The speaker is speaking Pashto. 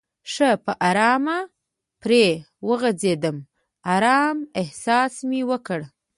ښه په آرامه پرې وغځېدم، آرامه احساس مې وکړ.